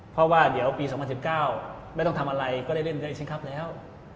เพราะว่าเดี๋ยวปี๒๐๑๙ไม่ต้องทำอะไรก็ได้เล่นได้สิงคลับแล้ว